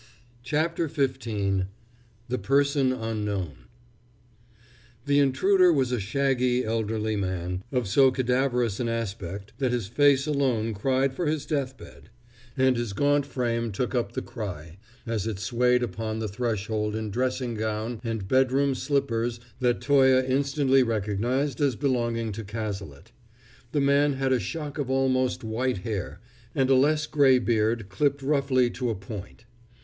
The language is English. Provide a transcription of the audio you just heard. XV THE PERSON UNKNOWN The intruder was a shaggy elderly man, of so cadaverous an aspect that his face alone cried for his death bed; and his gaunt frame took up the cry, as it swayed upon the threshold in dressing gown and bedroom slippers that Toye instantly recognized as belonging to Cazalet. The man had a shock of almost white hair, and a less gray beard clipped roughly to a point.